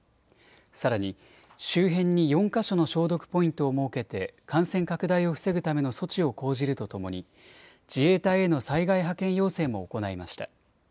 さらに周辺に４か所の消毒ポイントを設けて感染拡大を防ぐための措置を講じるとともに自衛隊への災害派遣要請も行いました。